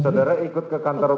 saudara ikut ke kantor